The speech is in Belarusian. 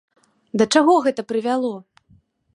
Да чаго гэта прывяло?